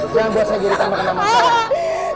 jangan buat saya jadi tanpa kelemahan